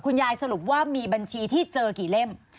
สรุปว่ามีบัญชีที่เจอกี่เล่ม